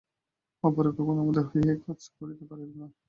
অপরে কখনও আমাদের হইয়া ঐ কাজ করিতে পারিবে না।